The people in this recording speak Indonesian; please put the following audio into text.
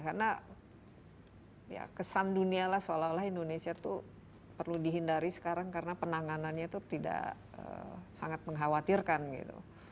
karena ya kesan dunia lah seolah olah indonesia tuh perlu dihindari sekarang karena penanganannya tuh tidak sangat mengkhawatirkan gitu